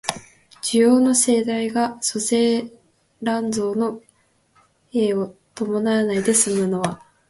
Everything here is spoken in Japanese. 需要の盛大が粗製濫造の弊を伴わないで済むのは、